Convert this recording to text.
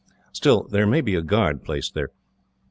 Still, there may be a guard placed there.